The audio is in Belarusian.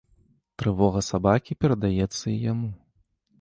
Трывога сабакі перадаецца і яму.